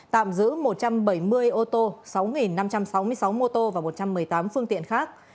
tạm giữ một trăm bảy mươi ô tô sáu năm trăm sáu mươi sáu mô tô và một trăm một mươi tám phương tiện khác